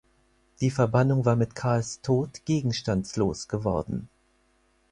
Die Verbannung war mit Karls Tod gegenstandslos geworden.